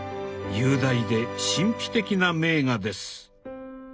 雄大で神秘的な名画です。